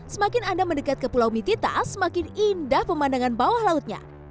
semakin anda mendekat ke pulau mitita semakin indah pemandangan bawah lautnya